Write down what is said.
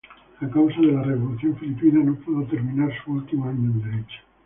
A causa de la Revolución filipina no pudo terminar su último año en Derecho.